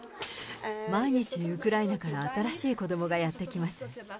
毎日、ウクライナから新しい子どもがやって来ます。